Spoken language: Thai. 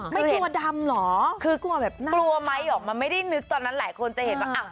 ไม่กลัวดำเหรอกลัวไม๊ออกมาไม่ได้นึกตอนนั้นหลายคนจะเห็นว่า